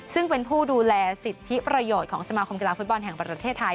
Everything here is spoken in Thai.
ซึ่งเป็นผู้ดูแลสิทธิประโยชน์ของสมาคมกีฬาฟุตบอลแห่งประเทศไทย